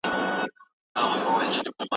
آيا علم د تيارو دښمن دی؟